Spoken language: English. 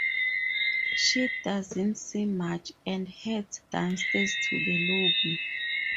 She doesn't see much and heads downstairs to the lobby.